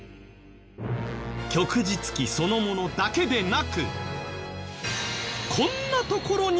旭日旗そのものだけでなく。